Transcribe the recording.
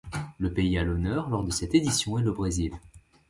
Le pays à l'honneur lors de cette édition est le Brésil.